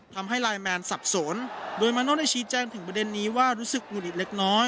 ไลนแมนสับสนโดยมาโน่ได้ชี้แจ้งถึงประเด็นนี้ว่ารู้สึกหงุดหิดเล็กน้อย